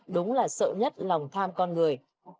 đúng là sợ nhất lòng tham con người